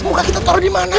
muka kita tol dimana